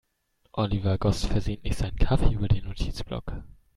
Oliver goss versehentlich seinen Kaffee über den Notizblock.